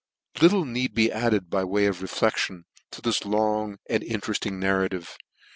Little need be added, by way of reflection, to this long and interefting narrative.